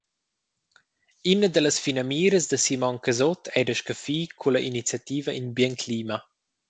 Ina dallas finamiras da Simon Casutt ei da scaffir culla iniziativa in bien clima.